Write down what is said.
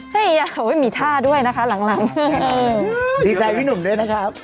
ให้ยาเขาไม่มีท่าด้วยนะคะหลังหลังดีใจพี่หนุ่มด้วยนะครับ